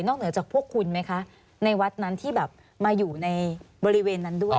เหนือจากพวกคุณไหมคะในวัดนั้นที่แบบมาอยู่ในบริเวณนั้นด้วย